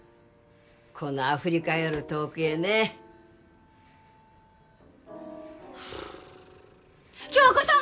このアフリカより遠くへね響子さん！